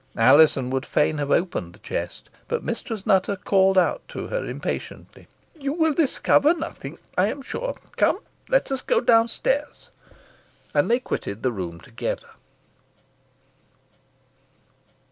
Alizon would fain have opened the chest, but Mistress Nutter called out to her impatiently, "You will discover nothing, I am sure. Come, let us go down stairs." And they quitted the room together.